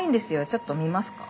ちょっと見ますか？